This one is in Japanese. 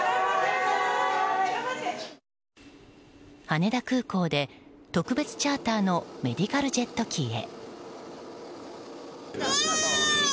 羽田空港で、特別チャーターのメディカルジェット機へ。